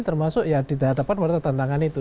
termasuk ya di hadapan mereka tantangan itu